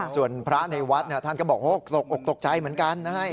ส่วนพระในวัดท่านก็บอกตกอกตกใจเหมือนกันนะครับ